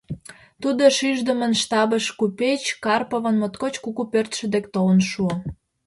Тудо шиждымын штабыш - купеч Карповын моткоч кугу пӧртшӧ дек - толын шуо.